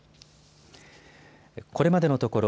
これまでのところ